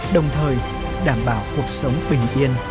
đồng thời đảm bảo cuộc sống bình yên